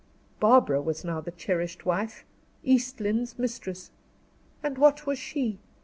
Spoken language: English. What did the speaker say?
Barbara was now the cherished wife, East Lynne's mistress. And what was she?